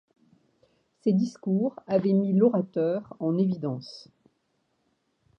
Ces discours avaient mis l'orateur en évidence.